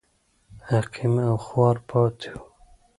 عقیم او خوار پاتې و.